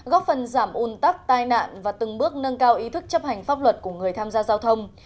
góp phần giảm un tắc tai nạn và từng bước nâng cao ý thức chấp hành pháp luật của người tham gia giao thông